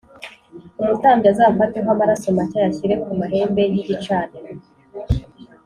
umutambyi azafateho amaraso make ayashyire ku mahembe yi igicaniro